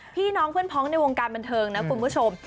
พี่น้องเพื่อนพ้องในวงการบันเทิงนะคุณผู้ชม